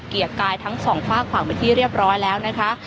เกียรติกายทั้งสองฝากฝั่งไปที่เรียบร้อยแล้วนะคะ